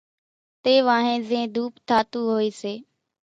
تيوانھين زين ڌوپ ٿاتون ھوئي سي